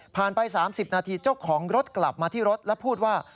ไป๓๐นาทีเจ้าของรถกลับมาที่รถและพูดว่า